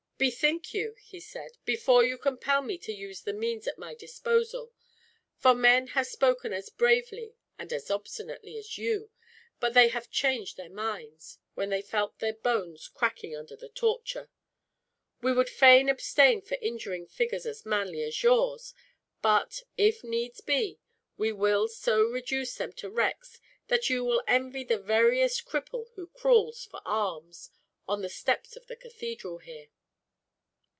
"Bethink you," he said, "before you compel me to use the means at my disposal; for men have spoken as bravely and as obstinately as you, but they have changed their minds, when they felt their bones cracking under the torture. We would fain abstain from injuring figures as manly as yours; but, if needs be, we will so reduce them to wrecks that you will envy the veriest cripple who crawls for alms, on the steps of the cathedral here."